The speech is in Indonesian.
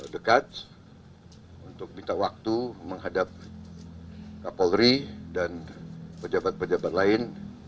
dekat untuk minta waktu menghadap kapolri dan pejabat pejabat lain